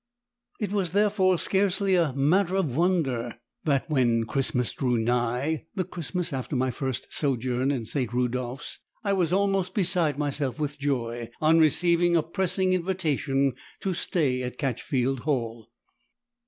It was therefore scarcely a matter of wonder that when Christmas drew nigh the Christmas after my first sojourn in St. Rudolphs I was almost beside myself with joy on receiving a pressing invitation to stay at Catchfield Hall.